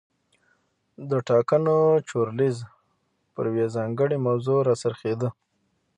د ټاکنو چورلیز پر یوې ځانګړې موضوع را څرخېده.